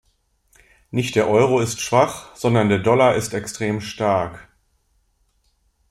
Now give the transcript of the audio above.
Nicht der Euro ist schwach, sondern der Doller ist extrem stark.